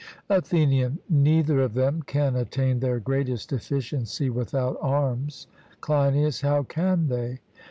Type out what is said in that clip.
ATHENIAN: Neither of them can attain their greatest efficiency without arms. CLEINIAS: How can they?